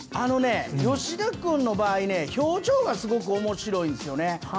吉田君の場合ね、表情がすごくおもしろいんですよね。